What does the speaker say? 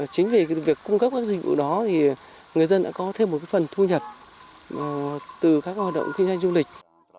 chính vì việc cung cấp các dịch vụ đó thì người dân đã có thêm một phần thu nhập từ các hoạt động kinh doanh du lịch